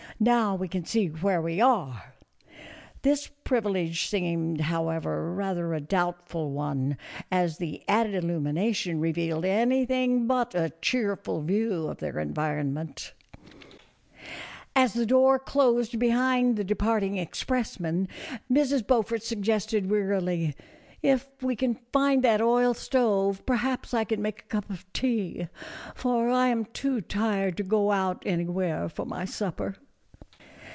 " Now we can see where we are." This privilege seemed, however, rather a doubt A FURNISHED COTTAGE BY THE SEA. 22Q ful one, as the added illumination revealed anything but a cheerful view of their environment. As the door closed behind the departing express men, Mrs. Beaufort suggested, wearily, " If we can find that oil stove, perhaps I can make a cup of tea, for I am too tired to go out anywhere for my supper."